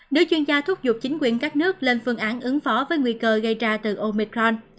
nữ chuyên gia thúc giục chính quyền các nước lên phương án ứng phó với nguy cơ gây ra từ omicron